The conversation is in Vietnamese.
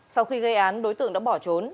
sau khi gây án đối tượng đã bỏ trốn